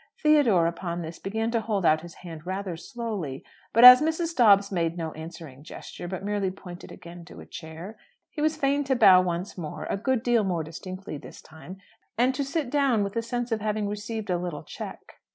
Theodore, upon this, began to hold out his hand rather slowly; but, as Mrs. Dobbs made no answering gesture, but merely pointed again to a chair, he was fain to bow once more a good deal more distinctly, this time and to sit down with the sense of having received a little check.